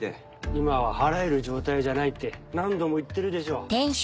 今は払える状態じゃないって何度も言ってるでしょ